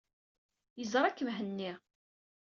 Yeẓra-k Mhenni.